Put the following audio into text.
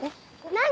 何⁉